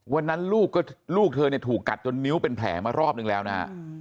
วันนั้นลูกเธอเนี่ยถูกกัดจนนิ้วเป็นแผลมารอบนึงแล้วนะฮะ